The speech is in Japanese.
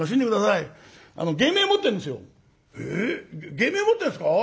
芸名持ってるんですか？